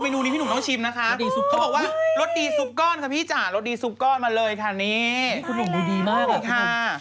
นี่นี่แอ้งจี้เท่ากลัวค่ะ